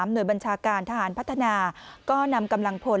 หน่วยบัญชาการทหารพัฒนาก็นำกำลังพล